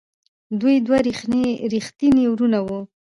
دوی دوه ریښتیني وروڼه وو.